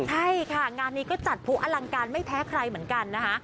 ใช่ค่ะงานนี้ก็จัดผู้อลังการไม่แพ้ใครเหมือนกันนะคะ